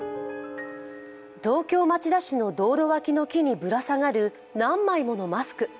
東京・町田市の道路脇の木にぶら下がる何枚ものマスク。